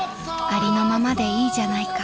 ［ありのままでいいじゃないか］